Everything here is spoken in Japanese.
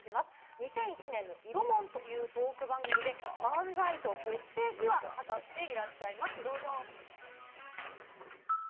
２００１年のいろもんというトーク番組で、漫才と結成秘話、語っていらっしゃいます。